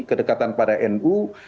kedekatan pada nu